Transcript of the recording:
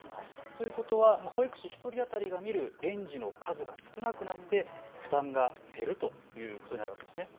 ということは保育士１人当たりが見る園児の数が少なくなって負担が減るということになるわけですね。